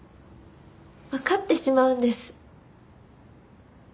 わかってしまうんです。